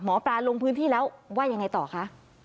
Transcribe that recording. หมอปลาลงพื้นที่แล้วว่ายังไงต่อคะ